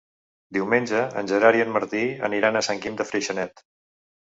Diumenge en Gerard i en Martí aniran a Sant Guim de Freixenet.